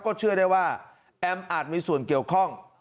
เชื่อได้ว่าแอมอาจมีส่วนเกี่ยวข้อง